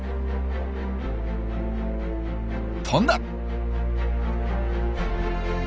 飛んだ！